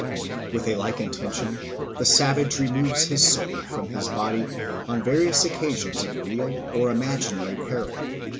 With a like intention the savage removes his soul from his body on various occasions of real or imaginary peril.